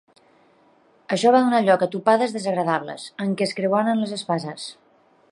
Això va donar lloc a topades desagradables, en què es creuaren les espases.